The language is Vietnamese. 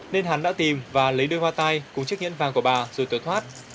nên hắn đã tìm và lấy đôi hoa tai cùng chiếc nhẫn vàng của bà rồi cửa thoát